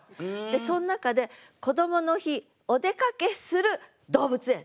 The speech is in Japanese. そん中で「こどもの日」「お出かけする」「動物園」